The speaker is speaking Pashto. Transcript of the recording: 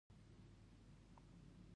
کتابچه له زده کوونکي سره ژوره اړیکه لري